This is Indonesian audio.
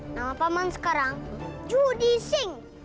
nama pak man sekarang judi singh